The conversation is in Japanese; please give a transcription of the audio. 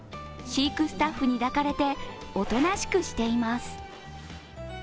飼育スタッフに抱かれておとなしくしています。